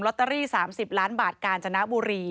ตเตอรี่๓๐ล้านบาทกาญจนบุรี